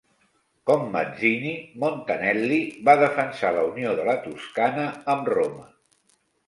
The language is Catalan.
Com Mazzini, Montanelli va defensar la unió de la Toscana amb Roma.